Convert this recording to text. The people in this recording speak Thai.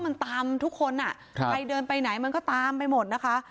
มันตามทุกคนอ่ะใครเดินไปไหนมันก็ตามไปหมดนะคะ